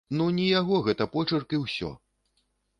Ну, не яго гэта почырк і ўсё!